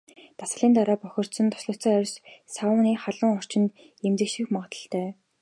Дасгалын дараа бохирдсон, тослогжсон арьс сауны халуун орчинд эмзэгших магадлалтай.